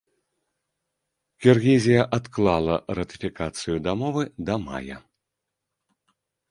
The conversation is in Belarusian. Кіргізія адклала ратыфікацыю дамовы да мая.